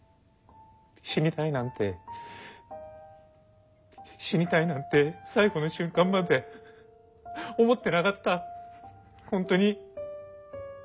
死にたいなんて死にたいなんて最後の瞬間まで思ってなかった本当に。